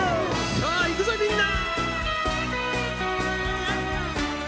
さあ、いくぞみんな。